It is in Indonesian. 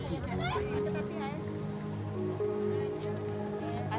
setiap pedagang pedagang yang berjumpa dengan perempuan